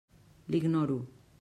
L'ignoro.